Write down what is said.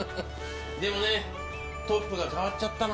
でもねトップが変わっちゃったの。